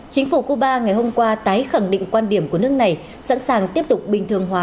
chính phủ cuba ngày hôm qua tái khẳng định quan điểm của nước này sẵn sàng tiếp tục bình thường hóa